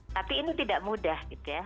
tapi ini tidak mudah gitu ya